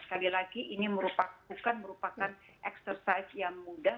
sekali lagi ini bukan merupakan exercise yang mudah